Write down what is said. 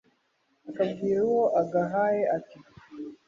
akabwira uwo agahaye ati “